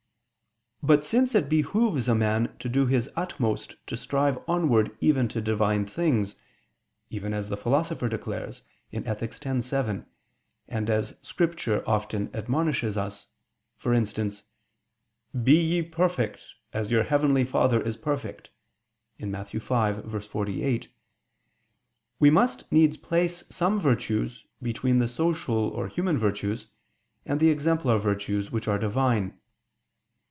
But since it behooves a man to do his utmost to strive onward even to Divine things, as even the Philosopher declares in Ethic. x, 7, and as Scripture often admonishes us for instance: "Be ye ... perfect, as your heavenly Father is perfect" (Matt. 5:48), we must needs place some virtues between the social or human virtues, and the exemplar virtues which are Divine.